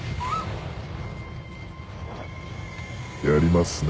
やりますね。